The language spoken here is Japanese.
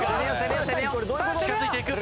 近づいていく。